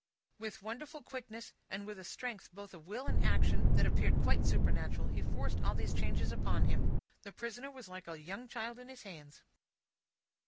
With wonderful quickness, and with a strength both of will and action, that appeared quite supernatural, he forced all these changes upon him. The prisoner was like a young child in his hands.